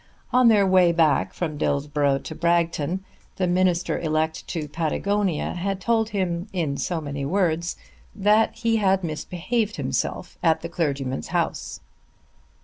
On their way back from Dillsborough to Bragton the minister elect to Patagonia had told him, in so many words, that he had misbehaved himself at the clergyman's house.